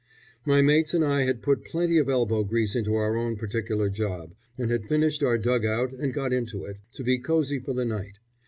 My mates and I had put plenty of elbow grease into our own particular job, and had finished our dug out and got into it, to be cosy for the night.